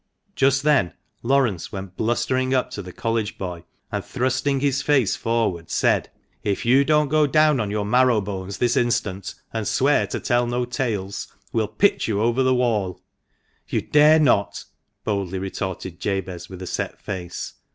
Just then Laurence went blustering up to the College boy, and, thrusting his face forward, said — H2 THE MANCHESTER MAN. " If you don't go down on your marrow bones this instant, and swear to tell no tales, \ve'll pitch you over the wall." " You dare not !" boldly retorted Jabez, with a set face.